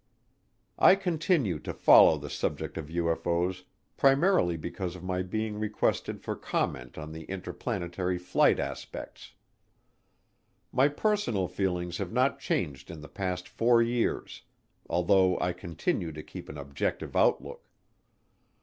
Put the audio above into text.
I continue to follow the subject of UFO's primarily because of my being requested for comment on the interplanetary flight aspects. My personal feelings have not changed in the past four years, although I continue to keep an objective outlook.